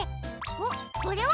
おっこれは？